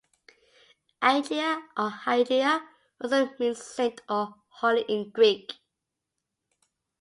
Agia or Hagia also means Saint or Holy in Greek.